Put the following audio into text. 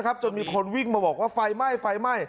นะครับจนมีคนวิ่งมาบอกว่าไฟไหม้